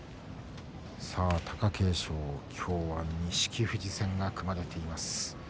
貴景勝は今日は錦富士戦が組まれています。